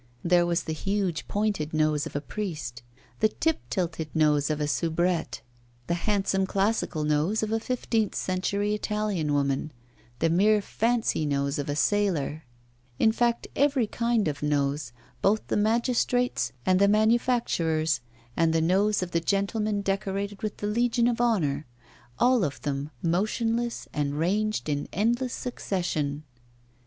There was the huge pointed nose of a priest, the tip tilted nose of a soubrette, the handsome classical nose of a fifteenth century Italian woman, the mere fancy nose of a sailor in fact, every kind of nose, both the magistrate's and the manufacturer's, and the nose of the gentleman decorated with the Legion of Honour all of them motionless and ranged in endless succession!